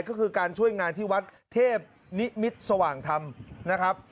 ก็คือการช่วยงานที่วัดเทพนิมิตรสว่างธรรมนะครับ